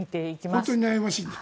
本当に悩ましいんで。